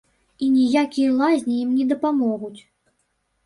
І ніякія лазні ім не дапамогуць.